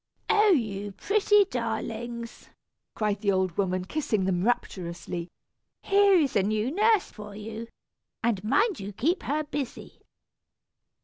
"Oh! you pretty darlings!" cried the old woman, kissing them rapturously, "here is a new nurse for you; and mind you keep her busy."